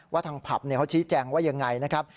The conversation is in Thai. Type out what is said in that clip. ว่าทางผับเนี่ยเขาชี้แจงว่ายังไงนะครับ